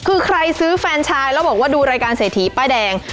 คือใครซื้อแฟนชายแล้วบอกว่าดูรายการเศรษฐีป้ายแดง